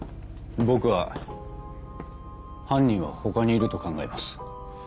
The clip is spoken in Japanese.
僕は犯人は他にいると考えます。